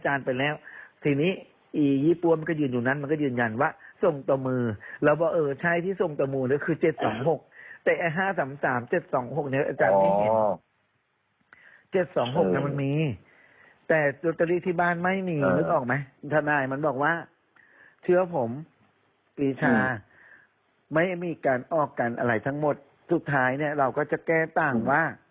เห้ยเป็นไปได้หรือพี่ไม่มีรัตทอรี่หรอกนะ